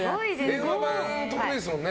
電話番得意ですもんね